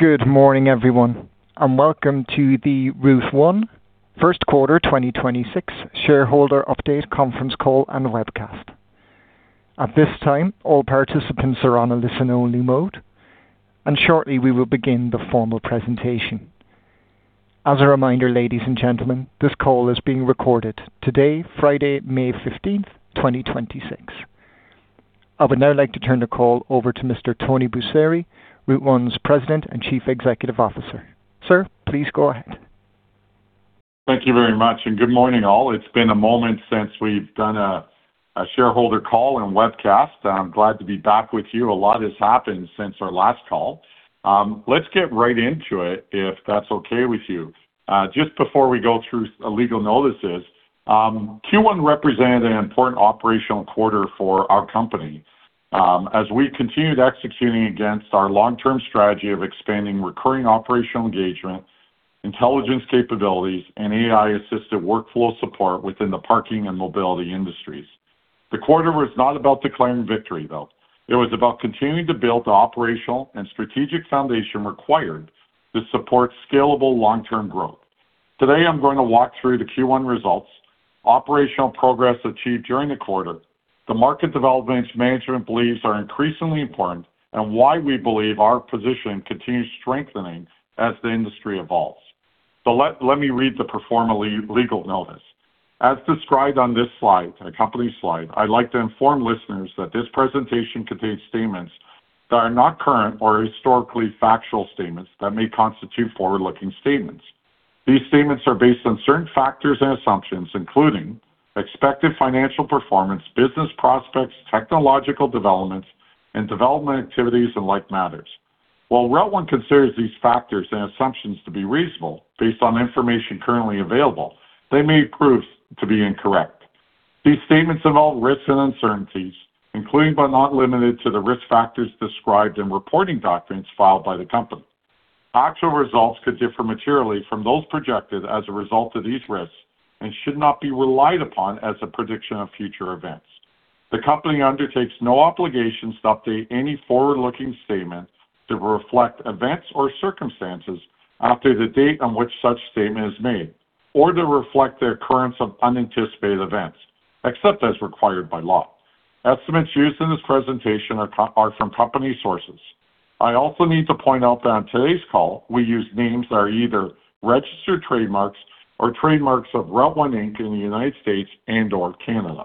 Good morning, everyone, welcome to the Route1 first quarter 2026 shareholder update conference call and webcast. At this time, all participants are on a listen-only mode. Shortly we will begin the formal presentation. As a reminder, ladies and gentlemen, this call is being recorded today, Friday, May 15th, 2026. I would now like to turn the call over to Mr. Tony Busseri, Route1's President and Chief Executive Officer. Sir, please go ahead. Thank you very much, and good morning, all. It's been a moment since we've done a shareholder call and webcast. I'm glad to be back with you. A lot has happened since our last call. Let's get right into it, if that's okay with you. Just before we go through legal notices, Q1 represented an important operational quarter for our company, as we continued executing against our long-term strategy of expanding recurring operational engagement, intelligence capabilities, and AI-assisted workflow support within the parking and mobility industries. The quarter was not about declaring victory, though. It was about continuing to build the operational and strategic foundation required to support scalable long-term growth. Today I'm going to walk through the Q1 results, operational progress achieved during the quarter, the market developments management believes are increasingly important, and why we believe our position continues strengthening as the industry evolves. Let me read the pro forma legal notice. As described on this slide, accompanying slide, I'd like to inform listeners that this presentation contains statements that are not current or historically factual statements that may constitute forward-looking statements. These statements are based on certain factors and assumptions, including expected financial performance, business prospects, technological developments, and development activities and like matters. While Route1 considers these factors and assumptions to be reasonable, based on information currently available, they may prove to be incorrect. These statements involve risks and uncertainties, including but not limited to the risk factors described in reporting documents filed by the company. Actual results could differ materially from those projected as a result of these risks and should not be relied upon as a prediction of future events. The company undertakes no obligations to update any forward-looking statements to reflect events or circumstances after the date on which such statement is made or to reflect the occurrence of unanticipated events, except as required by law. Estimates used in this presentation are from company sources. I also need to point out that on today's call, we use names that are either registered trademarks or trademarks of Route1 Inc. in the United States and/or Canada.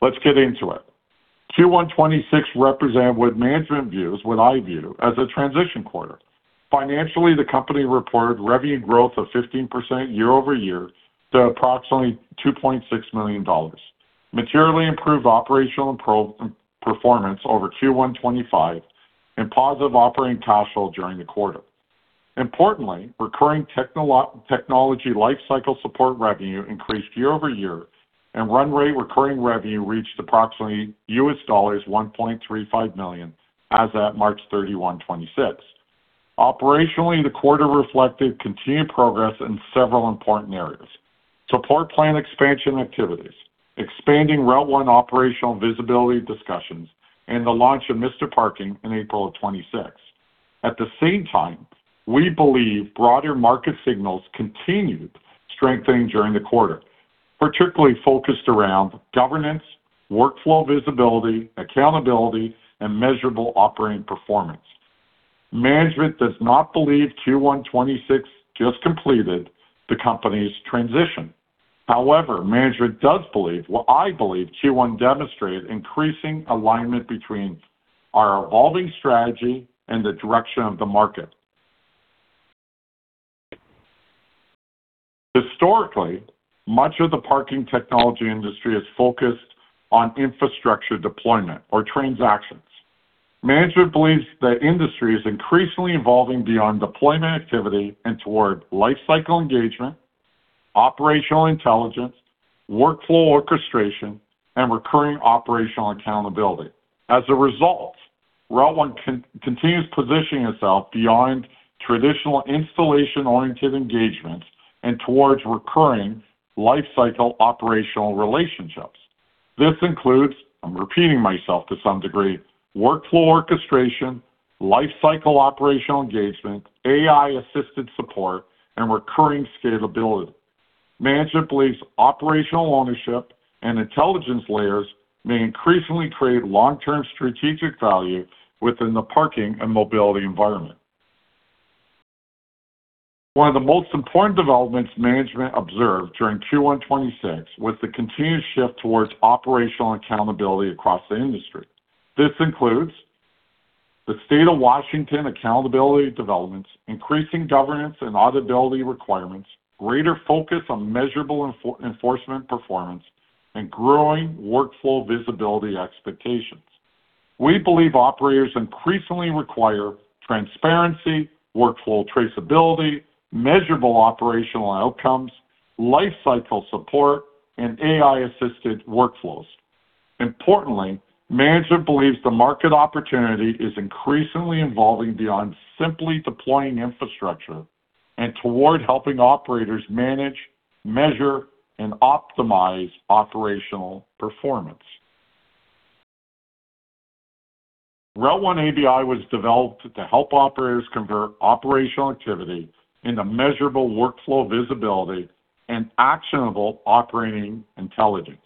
Let's get into it. Q1 2026 represent what management views, what I view, as a transition quarter. Financially, the company reported revenue growth of 15% year-over-year to approximately $2.6 million, materially improved operational pro-performance over Q1 2025, and positive operating cash flow during the quarter. Importantly, recurring technology lifecycle support revenue increased year-over-year, and run-rate recurring revenue reached approximately $1.35 million as at March 31, 2026. Operationally, the quarter reflected continued progress in several important areas: support plan expansion activities, expanding Route1 operational visibility discussions, and the launch of Mr. Parking in April of 2026. At the same time, we believe broader market signals continued strengthening during the quarter, particularly focused around governance, workflow visibility, accountability, and measurable operating performance. Management does not believe Q1 2026 just completed the company's transition. Management does believe, well, I believe Q1 demonstrated increasing alignment between our evolving strategy and the direction of the market. Historically, much of the parking technology industry is focused on infrastructure deployment or transactions. Management believes the industry is increasingly evolving beyond deployment activity and toward life cycle engagement, operational intelligence, workflow orchestration, and recurring operational accountability. As a result, Route1 continues positioning itself beyond traditional installation-oriented engagements and towards recurring life cycle operational relationships. This includes, I'm repeating myself to some degree, workflow orchestration, life cycle operational engagement, AI-assisted support, and recurring scalability. Management believes operational ownership and intelligence layers may increasingly create long-term strategic value within the parking and mobility environment. One of the most important developments management observed during Q1 2026 was the continued shift towards operational accountability across the industry. This includes the State of Washington accountability developments, increasing governance and audibility requirements, greater focus on measurable enforcement performance, and growing workflow visibility expectations. We believe operators increasingly require transparency, workflow traceability, measurable operational outcomes, life cycle support, and AI-assisted workflows. Importantly, management believes the market opportunity is increasingly evolving beyond simply deploying infrastructure and toward helping operators manage, measure, and optimize operational performance. Route1 ABI was developed to help operators convert operational activity into measurable workflow visibility and actionable operating intelligence.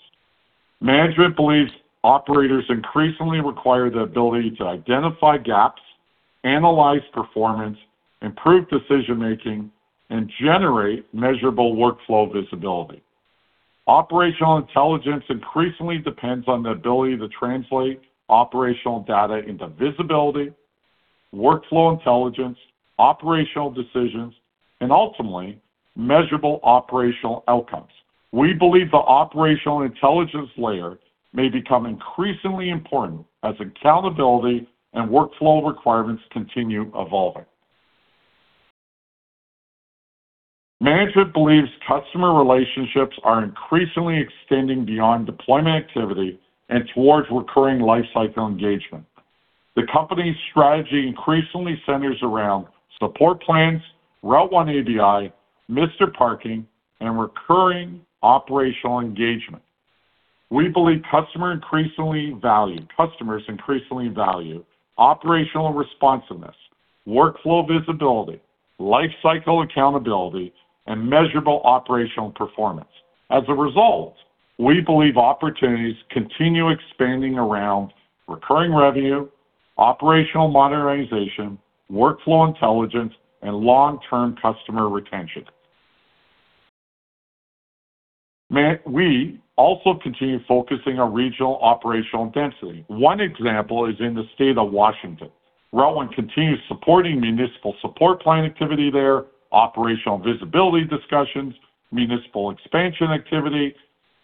Management believes operators increasingly require the ability to identify gaps, analyze performance, improve decision-making, and generate measurable workflow visibility. Operational intelligence increasingly depends on the ability to translate operational data into visibility, workflow intelligence, operational decisions, and ultimately measurable operational outcomes. We believe the operational intelligence layer may become increasingly important as accountability and workflow requirements continue evolving. Management believes customer relationships are increasingly extending beyond deployment activity and towards recurring lifecycle engagement. The company's strategy increasingly centers around support plans, Route1 ABI, Mr. Parking, and recurring operational engagement. We believe customers increasingly value operational responsiveness, workflow visibility, lifecycle accountability, and measurable operational performance. As a result, we believe opportunities continue expanding around recurring revenue, operational modernization, workflow intelligence, and long-term customer retention. We also continue focusing on regional operational density. One example is in the state of Washington. Route1 continues supporting municipal support plan activity there, operational visibility discussions, municipal expansion activity,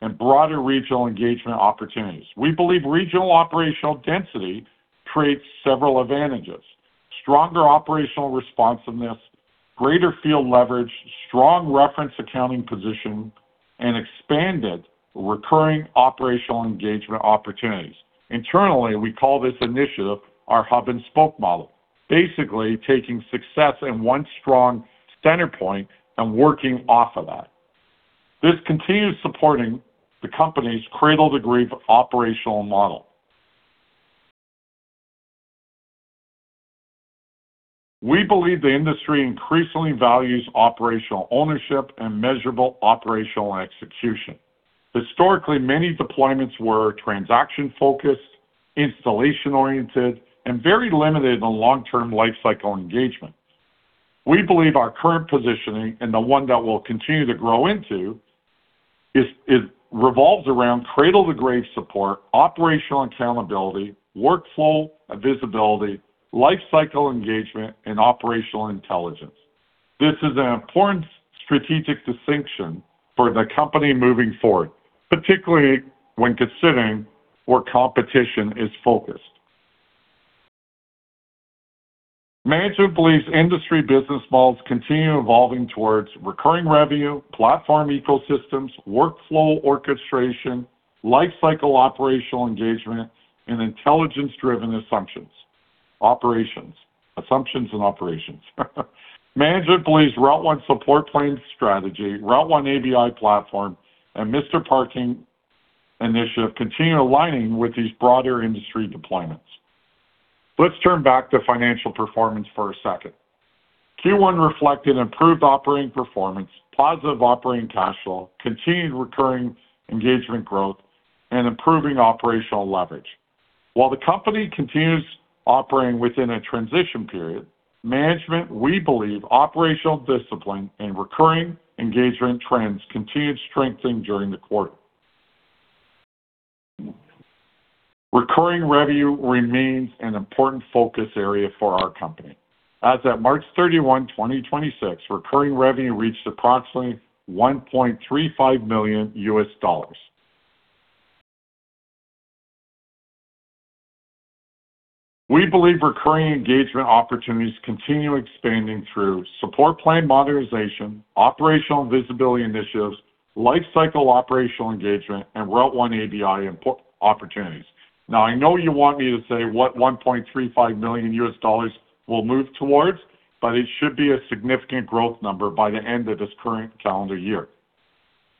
and broader regional engagement opportunities. We believe regional operational density creates several advantages: stronger operational responsiveness, greater field leverage, strong reference accounting position, and expanded recurring operational engagement opportunities. Internally, we call this initiative our hub and spoke model. Basically taking success in one strong center point and working off of that. This continues supporting the company's cradle-to-grave operational model. We believe the industry increasingly values operational ownership and measurable operational execution. Historically, many deployments were transaction-focused, installation-oriented, and very limited on long-term lifecycle engagement. We believe our current positioning, and the one that we'll continue to grow into revolves around cradle-to-grave support, operational accountability, workflow visibility, lifecycle engagement, and operational intelligence. This is an important strategic distinction for the company moving forward, particularly when considering where competition is focused. Management believes industry business models continue evolving towards recurring revenue, platform ecosystems, workflow orchestration, lifecycle operational engagement, and intelligence-driven assumptions, operations. Assumptions and operations. Management believes Route1 support plan strategy, Route1 ABI platform, and Mr. Parking initiative continue aligning with these broader industry deployments. Let's turn back to financial performance for a second. Q1 reflected improved operating performance, positive operating cash flow, continued recurring engagement growth, and improving operational leverage. While the company continues operating within a transition period, management, we believe operational discipline and recurring engagement trends continued strengthening during the quarter. Recurring revenue remains an important focus area for our company. As at March 31, 2026, recurring revenue reached approximately $1.35 million. We believe recurring engagement opportunities continue expanding through support plan modernization, operational visibility initiatives, lifecycle operational engagement, and Route1 ABI import opportunities. Now, I know you want me to say what $1.35 million will move towards, but it should be a significant growth number by the end of this current calendar year.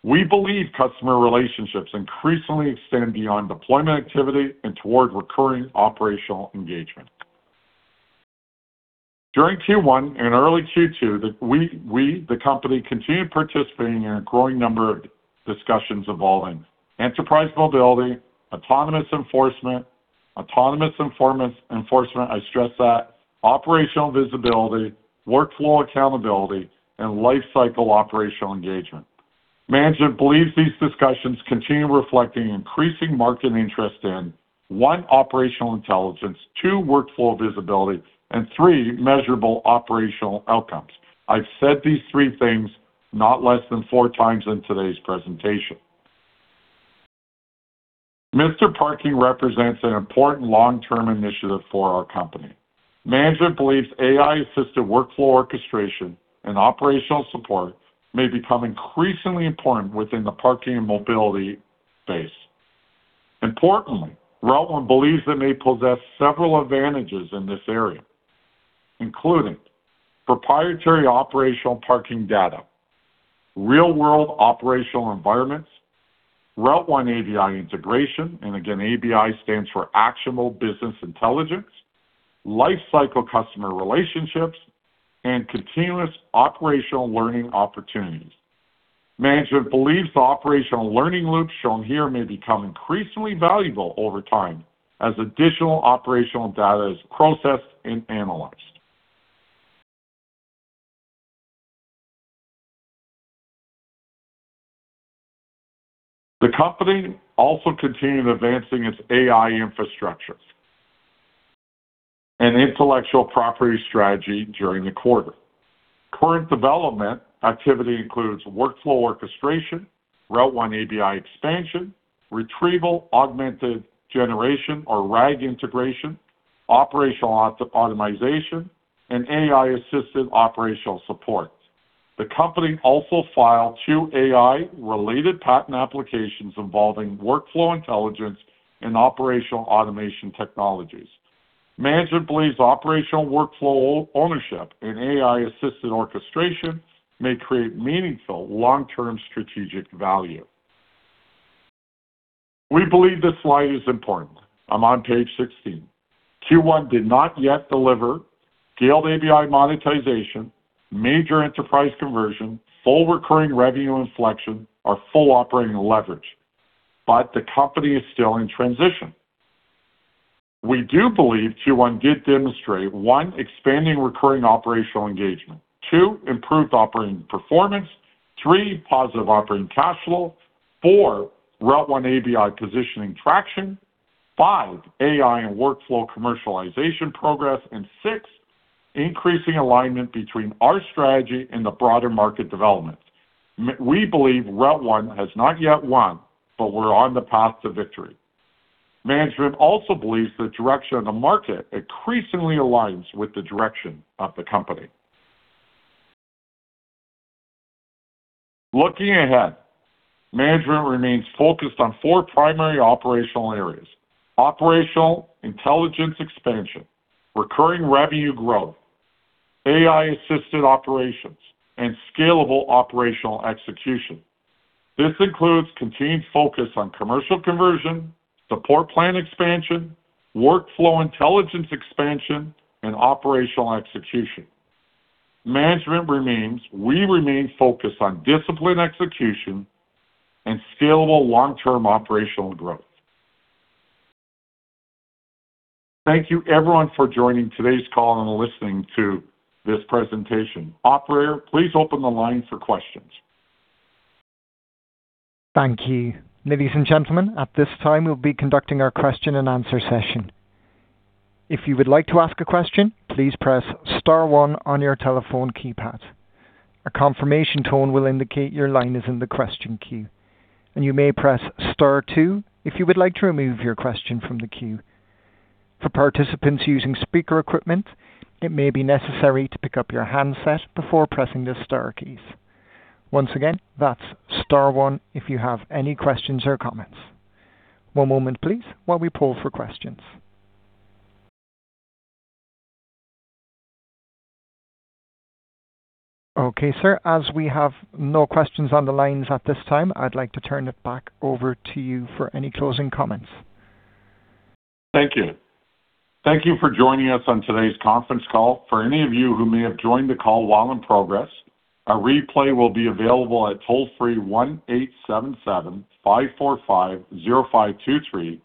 We believe customer relationships increasingly extend beyond deployment activity and towards recurring operational engagement. During Q1 and early Q2, the company continued participating in a growing number of discussions involving enterprise mobility, autonomous enforcement. Autonomous enforcement, I stress that. Operational visibility, workflow accountability, and lifecycle operational engagement. Management believes these discussions continue reflecting increasing market interest in, one, operational intelligence, two, workflow visibility, and three, measurable operational outcomes. I've said these three things not less than four times in today's presentation. Mr. Parking represents an important long-term initiative for our company. Management believes AI-assisted workflow orchestration and operational support may become increasingly important within the parking and mobility space. Importantly, Route1 believes it may possess several advantages in this area, including proprietary operational parking data, real-world operational environments, Route1 ABI integration, and again, ABI stands for Actionable Business Intelligence, lifecycle customer relationships, and continuous operational learning opportunities. Management believes the operational learning loop shown here may become increasingly valuable over time as additional operational data is processed and analyzed. The company also continued advancing its AI infrastructure and intellectual property strategy during the quarter. Current development activity includes workflow orchestration, Route1 ABI expansion, retrieval-augmented generation or RAG integration, operational optimization, and AI-assisted operational support. The company also filed two AI-related patent applications involving workflow intelligence and operational automation technologies. Management believes operational workflow ownership and AI-assisted orchestration may create meaningful long-term strategic value. We believe this slide is important. I'm on page 16. Q1 did not yet deliver scaled ABI monetization, major enterprise conversion, full recurring revenue inflection, or full operating leverage, but the company is still in transition. We do believe Q1 did demonstrate, one, expanding recurring operational engagement, two, improved operating performance, three, positive operating cash flow, four, Route1 ABI positioning traction, five, AI and workflow commercialization progress, and six, increasing alignment between our strategy and the broader market development. We believe Route1 has not yet won, but we're on the path to victory. Management also believes the direction of the market increasingly aligns with the direction of the company. Looking ahead, management remains focused on four primary operational areas: operational intelligence expansion, recurring revenue growth, AI-assisted operations, and scalable operational execution. This includes continued focus on commercial conversion, support plan expansion, workflow intelligence expansion, and operational execution. We remain focused on disciplined execution and scalable long-term operational growth. Thank you, everyone, for joining today's call and listening to this presentation. Operator, please open the line for questions. Thank you. Ladies and gentlemen, at this time, we'll be conducting our question-and-answer session. If you would like to ask a question, please press star one on your telephone keypad. A confirmation tone will indicate your line is in the question queue, and you may press star two if you would like to remove your question from the queue. For participants using speaker equipment, it may be necessary to pick up your handset before pressing the star keys. Once again, that's star one if you have any questions or comments. One moment, please, while we poll for questions. Okay, sir. As we have no questions on the lines at this time, I'd like to turn it back over to you for any closing comments. Okay. Thank you for joining us on today's conference call. For any of you who may have joined the call while in progress, a replay will be available at toll-free 1-877-545-0523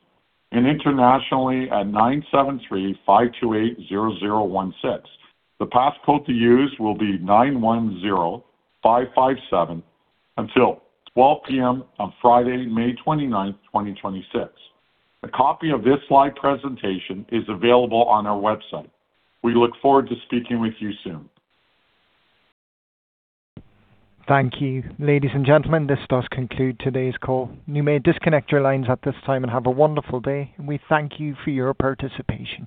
and internationally at 973-528-0016. The pass code to use will be 910557 until 12:00 P.M. on Friday, May 29th, 2026. A copy of this live presentation is available on our website. We look forward to speaking with you soon. Thank you. Ladies and gentlemen, this does conclude today's call. You may disconnect your lines at this time, and have a wonderful day. We thank you for your participation.